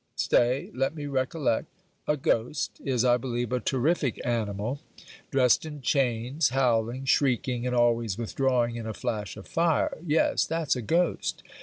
Stay, let me recollect a ghost, is I believe a terrific animal, dressed in chains, howling, shrieking, and always withdrawing in a flash of fire; yes, that's a ghost.